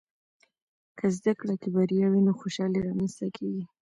که زده کړه کې بریا وي، نو خوشحالۍ رامنځته کېږي.